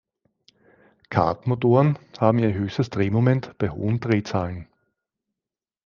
Kart-Motoren haben ihr höchstes Drehmoment bei hohen Drehzahlen.